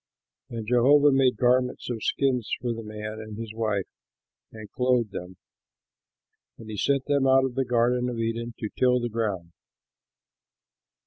And Jehovah made garments of skins for the man and his wife, and clothed them. And he sent them out of the garden of Eden to till the ground.